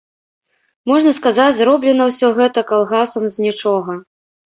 Можна сказаць, зроблена ўсё гэта калгасам з нічога.